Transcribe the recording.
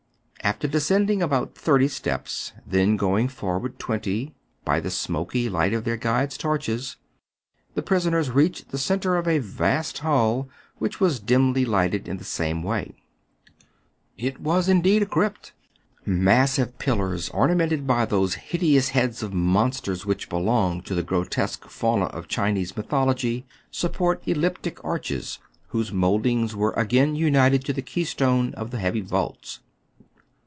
After descending about thirty steps, then going forward twenty, by the smoky light of their guides' torches, the prisoners reached the centre of a vast hall, which was dimly lighted in the same way. It was indeed a crypt. Massive pillars, orna mented by those hideous heads of monsters which belong to the grotesque fauna of Chinese myth ology, support elliptic arches, whose mouldings 202 TRIBULATIONS OF A CHINAMAN. were again united to the keystone of the heavy vaults.